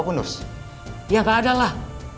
kundus ya gak adalah